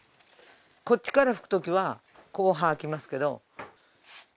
こっちから吹くときはこう掃きますけど。